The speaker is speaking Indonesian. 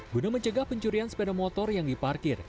guna mencegah pencurian sepeda motor yang diparkir